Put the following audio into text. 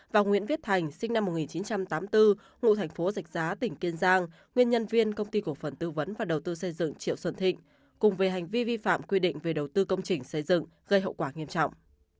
và nguyễn viết thành sinh năm một nghìn chín trăm tám mươi bốn ngụ thành phố dạch giá tỉnh kiên giang nguyên nhân viên công ty cổ phần tư vấn và đầu tư xây dựng triệu xuân thịnh cùng về hành vi vi phạm quy định về đầu tư công trình xây dựng gây hậu quả nghiêm trọng